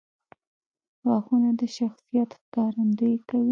• غاښونه د شخصیت ښکارندویي کوي.